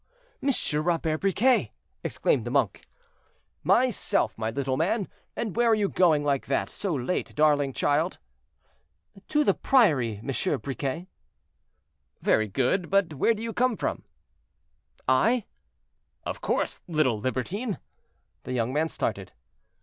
Monsieur Robert Briquet!" exclaimed the monk. "Myself, my little man. And where are you going like that, so late, darling child?" "To the priory, Monsieur Briquet." "Very good; but where do you come from?" "I?" "Of course, little libertine." The young man started.